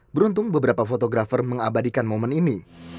beruntung beberapa fotografer mengabadikan momen ini